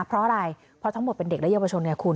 เพราะอะไรเพราะทั้งหมดเป็นเด็กและเยาวชนไงคุณ